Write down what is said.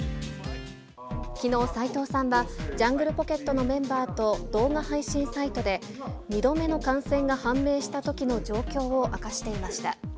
きのう、斉藤さんはジャングルポケットのメンバーと動画配信サイトで、２度目の感染が判明したときの状況を明かしていました。